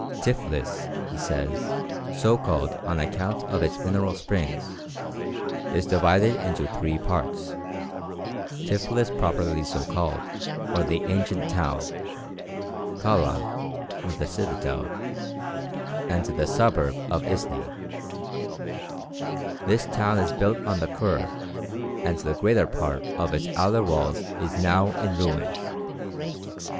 "Tiflis," he says, "so called on account of its mineral springs, is divided into three parts: Tiflis properly so called, or the ancient town; Kala, or the citadel; and the suburb of Issni. This town is built on the Kur, and the greater part of its outer walls is now in ruins.